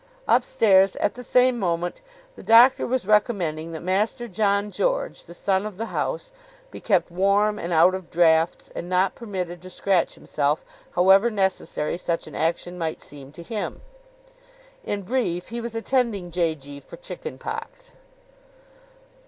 Upstairs, at the same moment, the doctor was recommending that Master John George, the son of the house, be kept warm and out of draughts and not permitted to scratch himself, however necessary such an action might seem to him. In brief, he was attending J. G. for chicken pox.